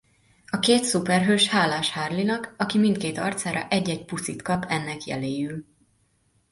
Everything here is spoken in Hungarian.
A két szuperhős hálás Harley-nak aki mindkét arcára egy-egy puszit kap ennek jeléül.